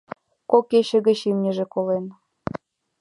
Кок кече гыч имньыже колен.